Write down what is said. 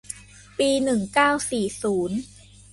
ปีหนึ่งเก้าศูนย์สี่